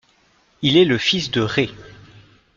Il est le fils de Rê.